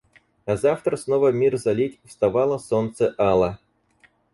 А завтра снова мир залить вставало солнце ало.